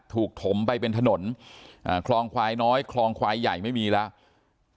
ถมไปเป็นถนนคลองควายน้อยคลองควายใหญ่ไม่มีแล้ว